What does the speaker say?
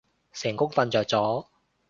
成功瞓着咗